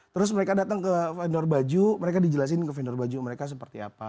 terus mereka datang ke vendor baju mereka dijelasin ke vendor baju mereka seperti apa